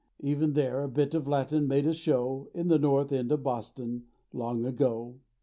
Even there a bit of Latin made a show, In the North End of Boston—long ago.